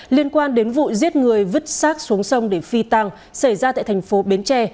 liên quan đến vụ giết người vứt sát xuống sông để phi tăng xảy ra tại thành phố bến tre